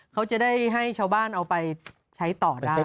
เขาจะได้ให้ชาวบ้านเอาไปใช้ต่อได้